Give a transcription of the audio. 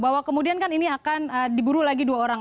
bahwa kemudian kan ini akan diburu lagi dua orang